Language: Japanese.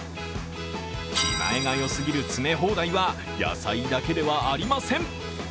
気前がよすぎる詰め放題は野菜だけではありません。